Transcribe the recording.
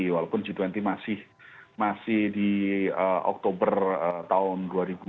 walaupun g dua puluh masih di oktober tahun dua ribu dua puluh